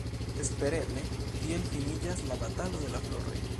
Espereble tiel finiĝas la batalo de la floroj.